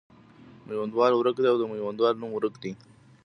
میوندوال ورک دی او د میوندوال نوم ورک دی.